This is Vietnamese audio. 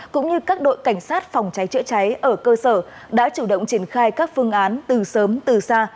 cũng như các đội cảnh sát phòng cháy chữa cháy ở cơ sở đã chủ động triển khai các phương án từ sớm từ xa